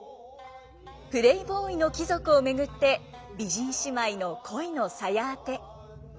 プレーボーイの貴族を巡って美人姉妹の恋のさや当て。